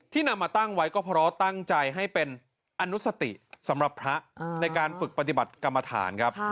นำมาตั้งไว้ก็เพราะตั้งใจให้เป็นอนุสติสำหรับพระในการฝึกปฏิบัติกรรมฐานครับ